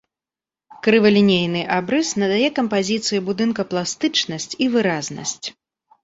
Крывалінейны абрыс надае кампазіцыі будынка пластычнасць і выразнасць.